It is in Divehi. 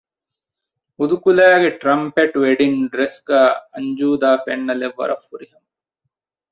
ހުދުކުލައިގެ ޓްރަންޕެޓް ވެޑިންގ ޑްރެސް ގައި އަންޖޫދާ ފެންނަލެއް ވަރަށް ފުރިހަމަ